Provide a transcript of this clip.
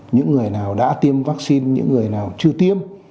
những người nào đã tiêm vaccine những người nào chưa tiêm